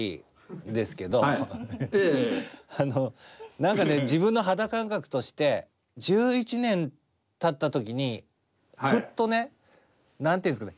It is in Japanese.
何かね自分の肌感覚として１１年たった時にふっとね何て言うんですかね。